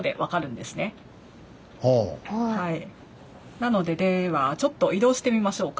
なのでではちょっと移動してみましょうか。